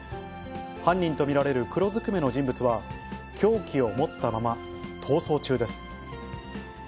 犯人と見られる黒ずくめの人物は、凶器を持ったまま逃走中です。